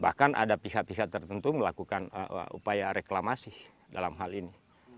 bahkan ada pihak pihak tertentu melakukan upaya reklamasi dalam hal ini